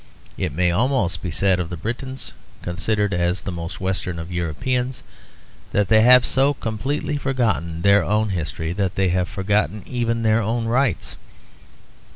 It may almost be said of the Britons, considered as the most western of Europeans, that they have so completely forgotten their own history that they have forgotten even their own rights.